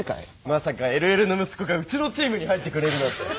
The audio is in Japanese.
まさかＬＬの息子がうちのチームに入ってくれるなんて。